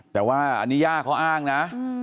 แต่ว่าอันนี้ย่าเขาอ้างนะ